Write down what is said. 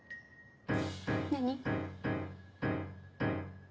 何？